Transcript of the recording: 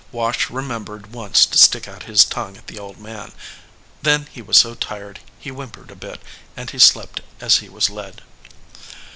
Wash remembered once to stick out his tongue at the old man ; then he was so tired he whimpered a bit, and he slept as he was led.